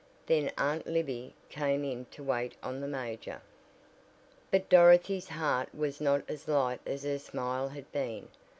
Then Aunt Libby came in to wait on the major. But Dorothy's heart was not as light as her smile had been.